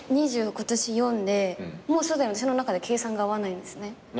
今年２４でもうすでに私の中で計算が合わないんですね。